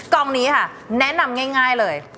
กองนี้ค่ะแนะนำง่ายเลย